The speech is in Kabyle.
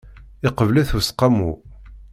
Iqbel-it useqqamu.